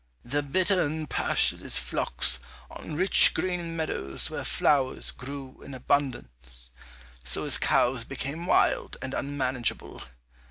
The bittern pastured his flocks on rich green meadows where flowers grew in abundance, so his cows became wild and unmanageable.